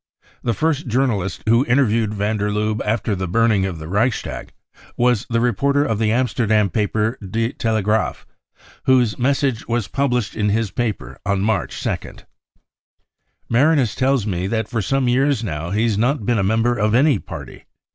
The first journalist who interviewed van der Lubbe after the burning of the Reichstag was the reporter of the Amsterdam paper De Telegraaf y whose message was pub lished in his paper on March 2nd : 44 Marinus tells me that for some years now he has not beenli member of any party.